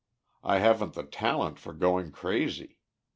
I haven't the talent for going crazy.